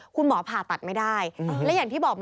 คุณหมอผ่าตัดไม่ได้